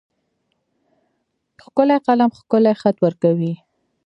ښکلی قلم ښکلی خط ورکوي.